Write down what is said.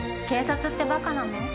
警察ってバカなの？